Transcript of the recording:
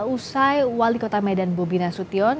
usai wali kota medan bobi nasution